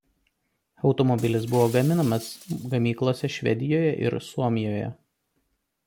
Automobilis buvo gaminamas gamyklose Švedijoje ir Suomijoje.